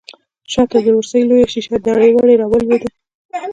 شا ته د ورسۍ لويه شيشه دړې وړې راولوېده.